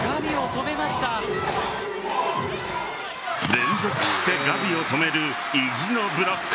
連続してガビを止める意地のブロック。